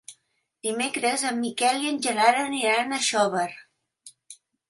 Dimecres en Miquel i en Gerard aniran a Xóvar.